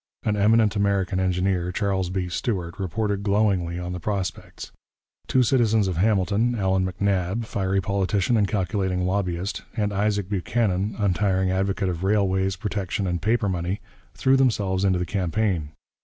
An eminent American engineer, Charles B. Stuart, reported glowingly on the prospects. Two citizens of Hamilton, Allan MacNab, fiery politician and calculating lobbyist, and Isaac Buchanan, untiring advocate of railways, protection, and paper money, threw themselves into the campaign.